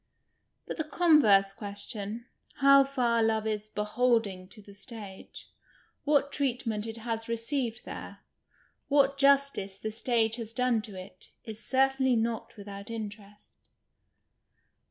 But the converse question, how far love is " be holding " to the stage — what treatment it has received there, what justice the stage has done to it — is certainly not without interest.